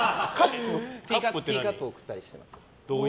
ティーカップを贈ったりしてます。